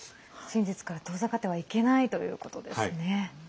真実から遠ざかってはいけないということですね。